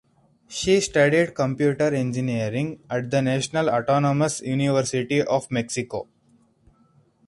She studied computer engineering at the National Autonomous University of Mexico.